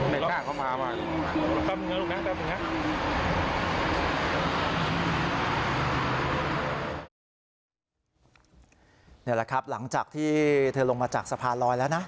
นี่แหละครับหลังจากที่เธอลงมาจากสะพานลอยแล้วนะ